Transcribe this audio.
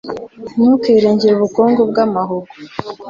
Ntukiringire ubukungu bw’amahugu,